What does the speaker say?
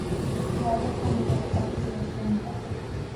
Seaatoj tanticat pac queelcam iha.